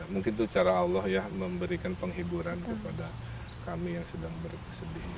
mungkin itu cara allah ya memberikan penghiburan kepada kami yang sedang bersedih